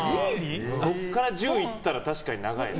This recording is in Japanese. そこから１０いったら確かに長い。